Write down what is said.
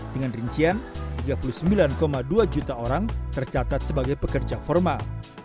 dengan rincian tiga puluh sembilan dua juta orang tercatat sebagai pekerja formal